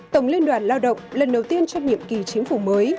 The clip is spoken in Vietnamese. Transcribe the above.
tổng liên đoàn lao động lần đầu tiên trong nhiệm kỳ chính phủ mới